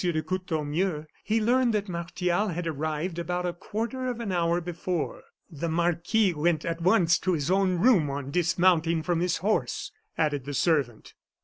de Courtornieu, he learned that Martial had arrived about a quarter of an hour before. "The marquis went at once to his own room on dismounting from his horse," added the servant.